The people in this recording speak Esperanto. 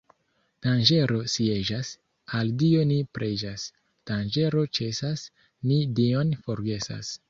Danĝero sieĝas, al Dio ni preĝas — danĝero ĉesas, ni Dion forgesas.